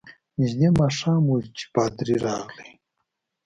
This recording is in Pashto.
نژدې ماښام وو چي پادري راغلی.